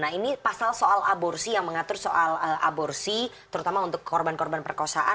nah ini pasal soal aborsi yang mengatur soal aborsi terutama untuk korban korban perkosaan